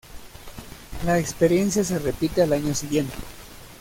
La experiencia se repite al año siguiente.